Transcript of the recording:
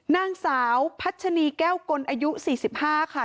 นางสาวพัชนีแก้วกลอายุ๔๕ค่ะ